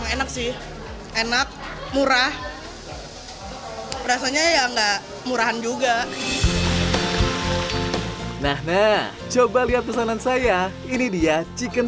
enak enak murah rasanya yang gak murahan juga nah nah coba lihat pesanan saya ini dia chicken